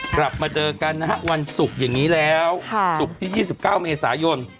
กลับมาเจอกันนะฮะวันศุกร์อย่างนี้แล้วศุกร์ที่๒๙เมษายน